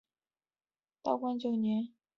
道光九年卒。